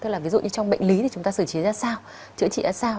tức là ví dụ như trong bệnh lý thì chúng ta xử trí ra sao chữa trị ra sao